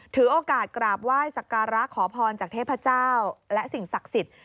ถือโอกาสกราบไหว้สักการะขอพรจากเทพเจ้าและสิ่งศักดิ์สิทธิ์